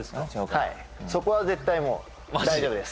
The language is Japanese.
はいそこは絶対もう大丈夫です